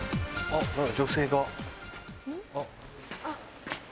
あっ。